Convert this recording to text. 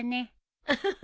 ウフフ。